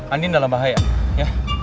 anding dalam bahaya ya